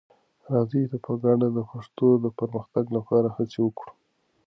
راځئ چې په ګډه د پښتو د پرمختګ لپاره هڅې وکړو.